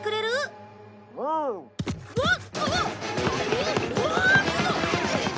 うわっ。